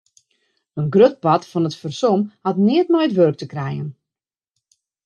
In grut part fan it fersom hat neat mei it wurk te krijen.